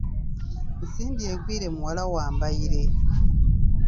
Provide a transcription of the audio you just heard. Nsimbi Egwire muwala wa Mbaire.